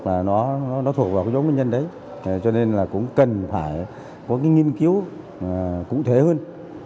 là nó thuộc vào những nguyên nhân đấy cho nên là cũng cần phải có nghiên cứu cụ thể hơn